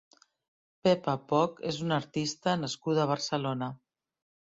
Pepa Poch és una artista nascuda a Barcelona.